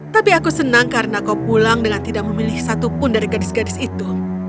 tapi aku senang karena kau pulang dengan tidak memilih satupun dari gadis gadis itu